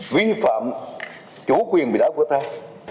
vi phạm chủ quyền mình đã vô tay